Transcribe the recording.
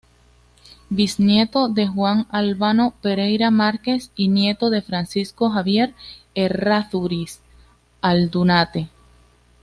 Bisnieto de Juan Albano Pereira Márquez y nieto de Francisco Javier Errázuriz Aldunate.